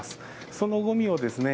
そのごみをですね